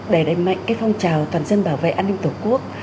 để đẩy mạnh cái phong trào toàn dân bảo vệ an ninh tổ quốc